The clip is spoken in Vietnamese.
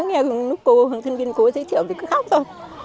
nghe cô hướng tân viên cô ấy giới thiệu thì cứ khóc thôi